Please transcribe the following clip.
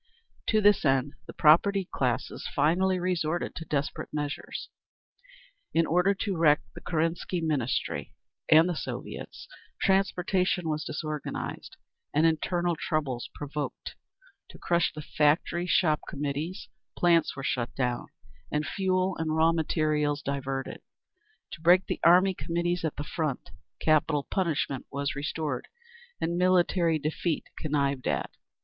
To this end the propertied classes finally resorted to desperate measures. In order to wreck the Kerensky Ministry and the Soviets, transportation was disorganised and internal troubles provoked; to crush the Factory Shop Committees, plants were shut down, and fuel and raw materials diverted; to break the Army Committees at the front, capital punishment was restored and military defeat connived at.